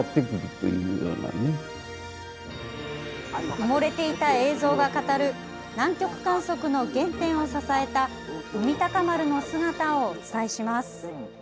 埋もれていた映像が語る南極観測の原点を支えた「海鷹丸」の姿をお伝えします。